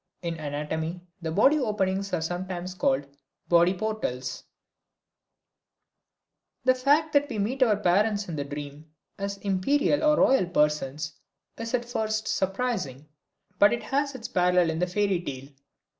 In anatomy the body openings are sometimes called the body portals. The fact that we meet our parents in the dream as imperial or royal persons is at first surprising. But it has its parallel in the fairy tale.